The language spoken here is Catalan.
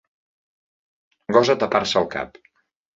Gosa tapar-se el cap.